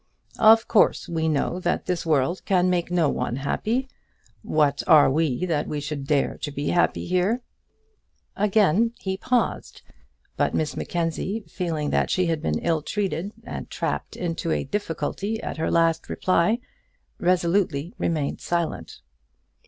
"Of course we know that this world can make no one happy. What are we that we should dare to be happy here?" Again he paused, but Miss Mackenzie feeling that she had been ill treated and trapped into a difficulty at her last reply, resolutely remained silent.